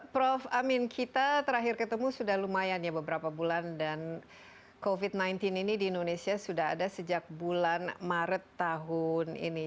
prof amin kita terakhir ketemu sudah lumayan ya beberapa bulan dan covid sembilan belas ini di indonesia sudah ada sejak bulan maret tahun ini